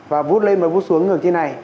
và vuốt lên và vuốt xuống gần như thế này